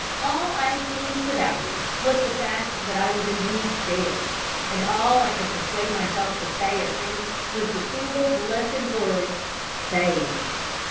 All I seemed to value was the fact that I was indeed there; and all I could persuade myself to say or think was the single, blessed word, SAVED!